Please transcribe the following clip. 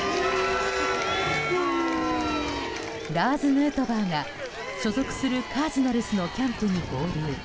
ラーズ・ヌートバーが所属するカージナルスのキャンプに合流。